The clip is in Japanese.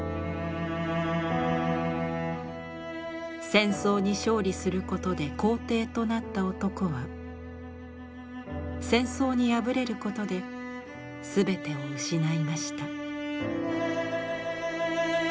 戦争に勝利することで皇帝となった男は戦争に敗れることで全てを失いました。